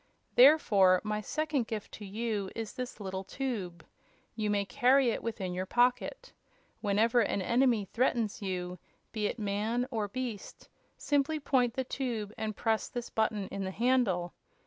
Therefore, my second gift to you is this little tube. You may carry it within your pocket. Whenever an enemy threatens you, be it man or beast, simply point the tube and press this button in the handle.